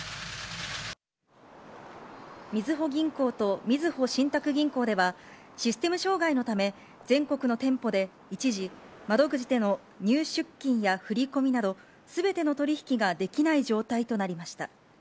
みずほ銀行とみずほ信託銀行では、システム障害のため、全国の店舗で一時、窓口での入出金や振り込みなど、すべての取り引きができない状態となりました。